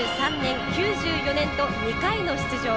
１９９４年と２回の出場。